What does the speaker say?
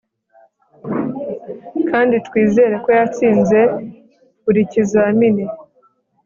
kandi twizere ko yatsinze buri kizamini